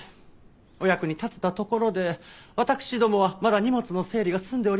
お役に立てたところでわたくしどもはまだ荷物の整理が済んでおりません。